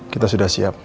kita sudah siap